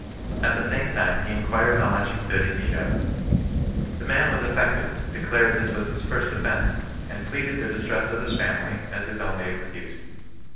At the same time he inquired how much he stood in need of. The man was affected, declared this was his first offence, and plead ed the distress of his family as his only excuse.